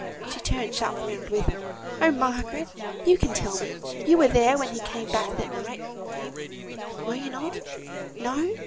She turned sharp round, with "Oh! Margaret, you can tell me; you were there when he came back that night; were you not? No!